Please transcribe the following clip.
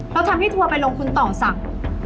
เราทำให้ทัวร์ไปลงคุณต่อสั่ง